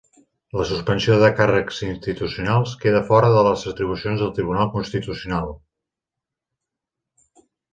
La suspensió de càrrecs institucional queda fora de les atribucions del Tribunal Constitucional.